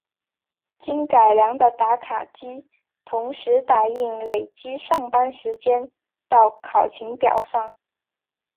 经改良的打卡机同时打印累计上班时间到考勤表上。